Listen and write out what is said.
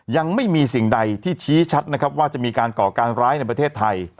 ยังไม่มีสิ่งใดที่ชี้ชัดนะครับว่าจะมีการก่อการร้ายในประเทศไทย